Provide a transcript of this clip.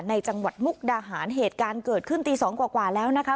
จังหวัดมุกดาหารเหตุการณ์เกิดขึ้นตีสองกว่าแล้วนะคะ